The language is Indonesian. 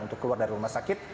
untuk keluar dari rumah sakit